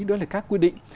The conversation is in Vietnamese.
đó là các quy định